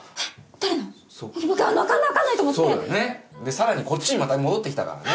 さらにこっちにまた戻って来たからね。